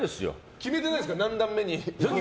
決めてないんですか何段目にって。